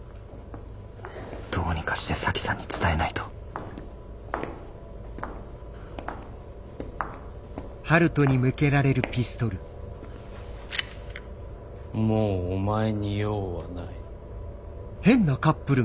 どうにかして沙樹さんに伝えないともうお前に用はない。